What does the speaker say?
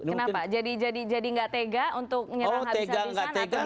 kenapa jadi nggak tega untuk menyerang habis habisan atau gimana